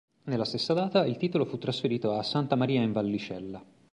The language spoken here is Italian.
Nella stessa data il titolo fu trasferito a Santa Maria in Vallicella.